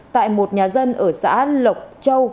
tại một nhà dân ở xã lộc châu